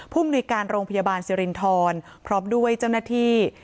มนุยการโรงพยาบาลสิรินทรพร้อมด้วยเจ้าหน้าที่